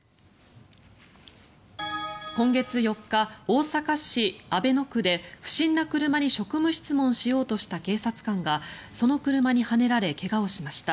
今月４日、大阪市阿倍野区で不審な車に職務質問しようとした警察官がその車にはねられ怪我をしました。